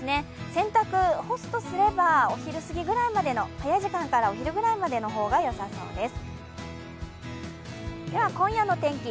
洗濯、干すとすれば、早い時間からお昼ぐらいまでの方が良さそうです。